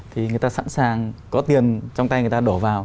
thì người ta sẵn sàng có tiền trong tay người ta đổ vào